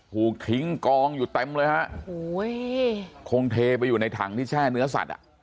ถูกทิ้งกองอยู่เต็มเลยฮะโอ้โหคงเทไปอยู่ในถังที่แช่เนื้อสัตว์อ่ะ